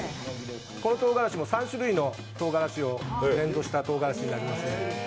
このとうがらしも３種類のとうがらしをブレンドしたものになります。